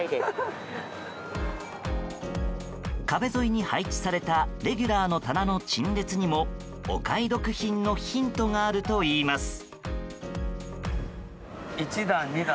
壁沿いに配置されたレギュラーの棚の陳列にもお買い得品のヒントがあるといいます。